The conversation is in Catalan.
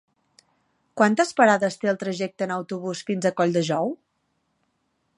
Quantes parades té el trajecte en autobús fins a Colldejou?